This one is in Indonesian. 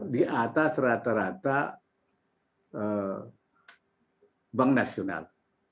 di atas rata rata bank nasional